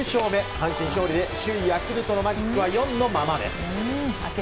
阪神勝利で首位ヤクルトのマジックは４のままです。